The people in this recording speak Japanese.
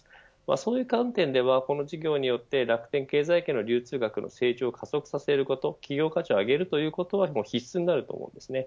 そういう観点ではこの事業によって楽天経済圏の流通額の成長を加速させること企業価値を上げることは必須になると思います。